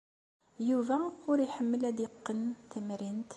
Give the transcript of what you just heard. Yuba ur iḥemmel ad yeqqen tamrint.